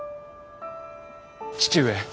父上。